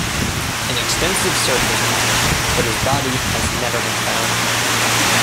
An extensive search was launched, but his body has never been found.